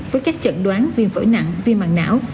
với các trận đoán viêm phổi nặng viêm mạng não